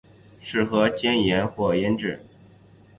适合煎食或盐腌。